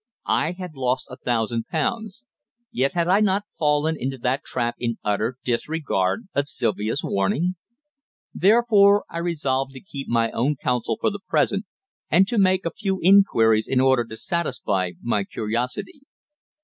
I had lost a thousand pounds. Yet had I not fallen into that trap in utter disregard of Sylvia's warning? Therefore, I resolved to keep my own counsel for the present, and to make a few inquiries in order to satisfy my curiosity.